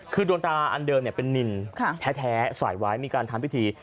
คือดวงตาอันเดิมเป็นนินแท้ใส่ไว้มีการทำพิธี